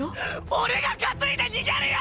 オレが担いで逃げるよ！